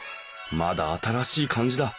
まだ新しい感じだ。